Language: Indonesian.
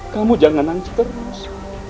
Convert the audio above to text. kamu jangan nangis terus